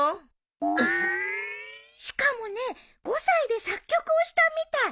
しかもね５歳で作曲をしたみたい。